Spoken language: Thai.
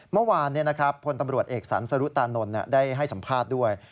เมื่อวานพลตำรวจเอกสรรสรุตานนท์ได้ให้สัมภาษณ์ด้วย